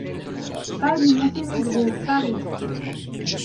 PAS DU MONTENEGRO, Paris